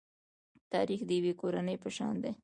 تاریخ د یوې کورنۍ په شان دی.